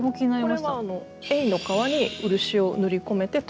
これはエイの革に漆を塗り込めて研ぎ出してる。